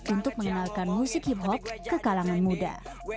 untuk mengenalkan musik hip hop ke kalangan muda